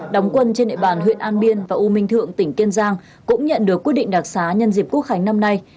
đóng quân trên địa bàn huyện an biên và u minh thượng tỉnh kiên giang cũng nhận được quyết định đặc xá nhân dịp quốc khánh năm nay